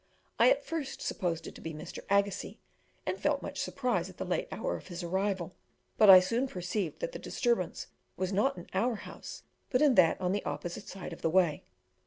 I at first supposed it to be Mr. Agassiz, and felt much surprise at the late hour of his arrival, but I soon perceived that the disturbance was not in our house, but in that on the opposite side of the way.